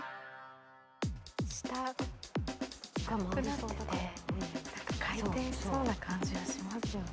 下円くなってて回転しそうな感じがしますよね。